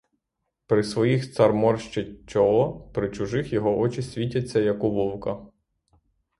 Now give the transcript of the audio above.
При своїх цар морщить чоло, при чужих його очі світяться, як у вовка.